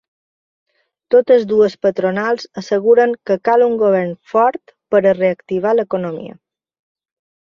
Totes dues patronals asseguren que cal un govern fort per a reactivar l’economia.